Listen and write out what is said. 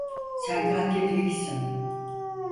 Sen katil değilsin.